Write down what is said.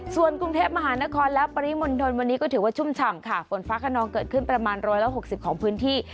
ส่วนกรุงเทพมหานครและปริมณฑลวันนี้ก็ถือว่าชุ่มฉ่ำค่ะฝนฟ้าขนองเกิดขึ้นประมาณ๑๖๐ของพื้นที่